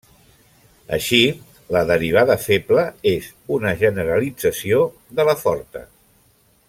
Així la derivada feble és una generalització de la forta.